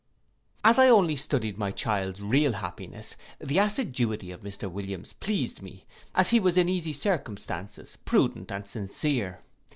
As I only studied my child's real happiness, the assiduity of Mr Williams pleased me, as he was in easy circumstances, prudent, and sincere.